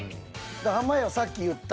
濱家はさっき言った。